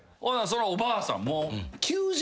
そのおばあさんも。